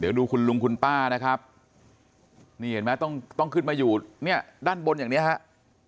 เดี๋ยวดูคุณลุงคุณป้านะครับนี่เห็นไหมต้องขึ้นมาอยู่เนี่ยด้านบนอย่างนี้ครับ